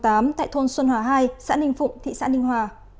tại thôn xuân hòa hai xã ninh phụng thị xã ninh hòa